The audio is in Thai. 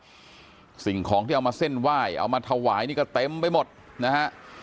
สิ่งของที่เอามาเส้นไหว้เอามาถวายนี่ก็เต็มไปหมดนะฮะ